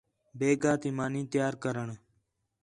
بیگھا تی مانی تیار کرݨ